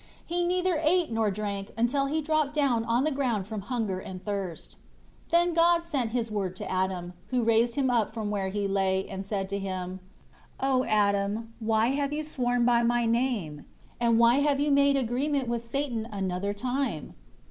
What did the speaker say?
He neither ate nor drank until he dropped down on the ground from hunger and thirst. 7 Then God sent His Word to Adam, who raised him up from where he lay, and said to him, "O Adam, why have you sworn by My name, and why have you made agreement with Satan another time?"